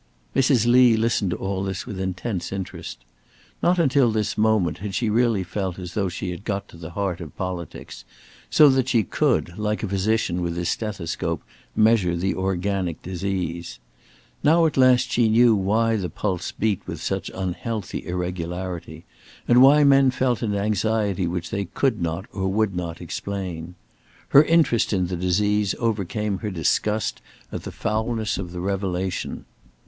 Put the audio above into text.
Mrs. Lee listened to all this with intense interest. Not until this moment had she really felt as though she had got to the heart of politics, so that she could, like a physician with his stethoscope, measure the organic disease. Now at last she knew why the pulse beat with such unhealthy irregularity, and why men felt an anxiety which they could not or would not explain. Her interest in the disease overcame her disgust at the foulness of the revelation.